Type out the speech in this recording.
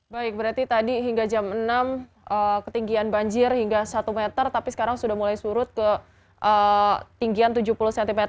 baik berarti tadi hingga jam enam ketinggian banjir hingga satu meter tapi sekarang sudah mulai surut ketinggian tujuh puluh cm